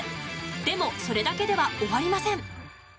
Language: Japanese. でもそれだけでは終わりません。